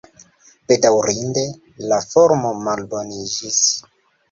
Bedaŭrinde, la formo malboniĝis.